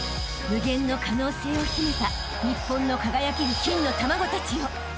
［無限の可能性を秘めた日本の輝ける金の卵たちよ］